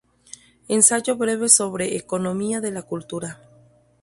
Ensayo breve sobre economía de la cultura.